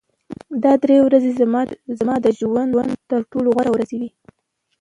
دا درې ورځې زما د ژوند تر ټولو غوره ورځې وې